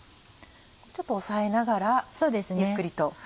ちょっと押さえながらゆっくりと。